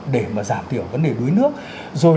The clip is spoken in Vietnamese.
để mà giảm thiểu vấn đề đuối nước rồi